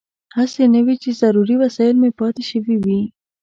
هسې نه وي چې ضروري وسایل مې پاتې شوي وي.